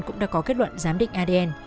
cũng đã có kết luận giám định adn